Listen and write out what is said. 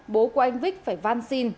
bố của anh vích phải văn xin